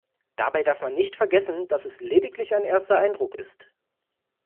Dabei darf man nicht vergessen, dass es lediglich ein erster Eindruck ist.